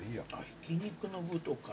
ひき肉の部とか。